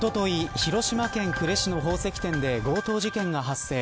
広島県呉市の宝石店で強盗事件が発生。